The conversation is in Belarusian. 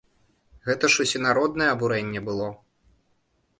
Гэта ж усенароднае абурэнне было.